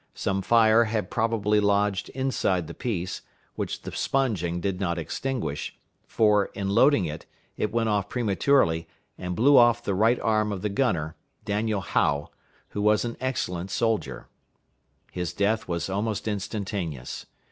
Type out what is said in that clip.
Some fire had probably lodged inside the piece, which the sponging did not extinguish, for, in loading it, it went off prematurely, and blew off the right arm of the gunner, Daniel Hough, who was an excellent soldier. His death was almost instantaneous.